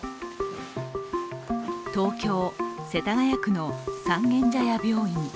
東京・世田谷区の三軒茶屋病院。